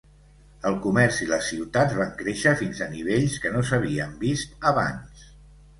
El comerç i les ciutats van créixer fins a nivells que no s'havien vist abans.